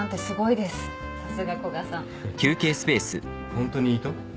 ホントにいいと？